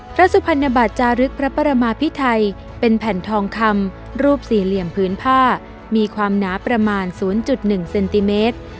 สุพรรณบัตรจารึกพระประมาพิไทยเป็นแผ่นทองคำรูปสี่เหลี่ยมพื้นผ้ามีความหนาประมาณ๐๑เซนติเมตร